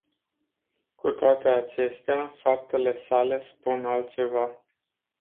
Cu toate acestea, faptele sale spun altceva.